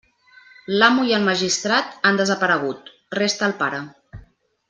L'amo i el magistrat han desaparegut; resta el pare.